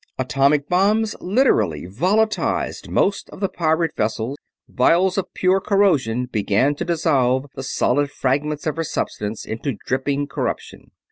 Atomic bombs literally volatilized most of the pirate vessel; vials of pure corrosion began to dissolve the solid fragments of her substance into dripping corruption.